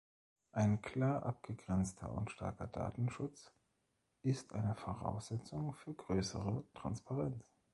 Ein klar abgegrenzter und starker Datenschutz ist eine Voraussetzung für größere Transparenz.